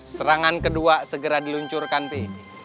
serangan kedua segera diluncurkan p